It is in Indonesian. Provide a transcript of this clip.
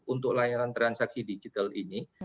untuk layanan transaksi digital ini